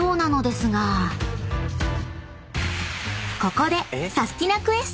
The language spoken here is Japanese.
［ここで］